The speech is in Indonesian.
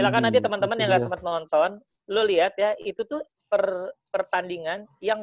silahkan nanti temen temen yang gak sempet nonton lu liat ya itu tuh pertandingan yang